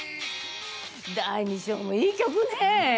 『第二章』もいい曲ね！